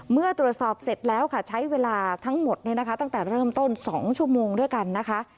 เมื่อตรวจสอบเสร็จแล้วค่ะใช้เวลาทั้งหมดตั้งแต่เริ่มต้น๒ชั่วโมงด้วยกันนะคะ